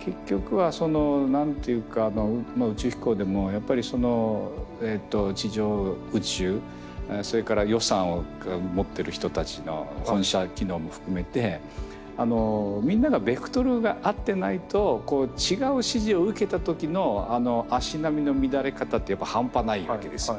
結局はその何て言うか宇宙飛行でもやっぱりその地上宇宙それから予算を持ってる人たちの本社機能も含めてみんながベクトルが合ってないと違う指示を受けた時の足並みの乱れ方って半端ないわけですよ。